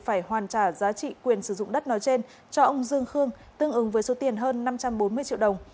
phải hoàn trả giá trị quyền sử dụng đất nói trên cho ông dương khương tương ứng với số tiền hơn năm trăm bốn mươi triệu đồng